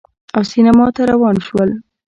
او سینما ته روان شول